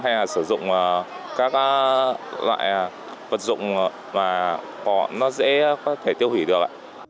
hay là sử dụng các loại vật dụng mà nó dễ có thể tiêu hủy được